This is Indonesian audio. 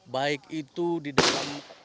baik itu di dalam